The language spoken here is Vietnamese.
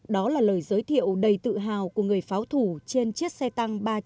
đó là lời giới thiệu đầy tự hào của người pháo thủ trên chiếc xe tăng ba trăm chín mươi